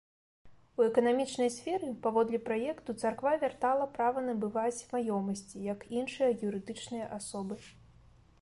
У эканамічнай сферы, паводле праекту царква вяртала права набываць маёмасці, як іншыя юрыдычныя асобы.